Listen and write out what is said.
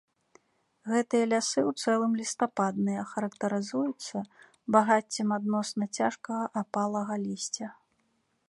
Гэтыя лясы ў цэлым лістападныя, характарызуюцца багаццем адносна цяжкага апалага лісця.